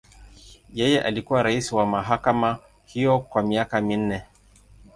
Yeye alikuwa rais wa mahakama hiyo kwa miaka minne.